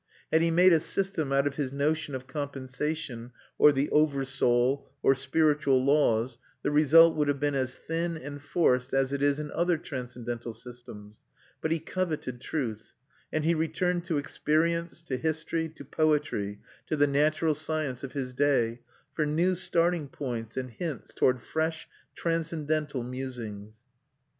Had he made a system out of his notion of compensation, or the over soul, or spiritual laws, the result would have been as thin and forced as it is in other transcendental systems. But he coveted truth; and he returned to experience, to history, to poetry, to the natural science of his day, for new starting points and hints toward fresh transcendental musings.